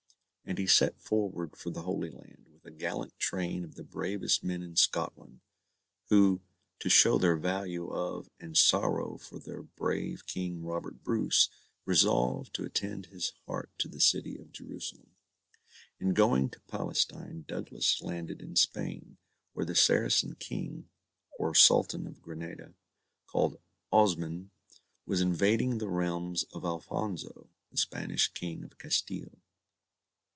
And he set forward for the Holy Land, with a gallant train of the bravest men in Scotland, who, to show their value of and sorrow for their brave King Robert Bruce, resolved to attend his heart to the city of Jerusalem. In going to Palestine Douglas landed in Spain, where the Saracen King, or Sultan of Granada, called Osmyn, was invading the realms of Alphonso, the Spanish King of Castile.